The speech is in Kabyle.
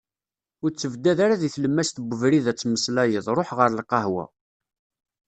Ur ttebdad ara deg tlemmas n ubrid ad tettmmeslayeḍ, ruḥ ɣer lqahwa.